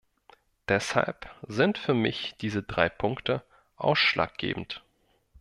Deshalb sind für mich diese drei Punkte ausschlaggebend.